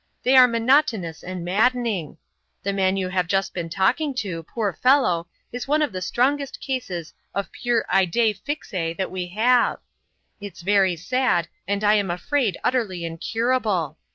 They are monotonous and maddening. The man you have just been talking to, poor fellow, is one of the strongest cases of pure idee fixe that we have. It's very sad, and I'm afraid utterly incurable.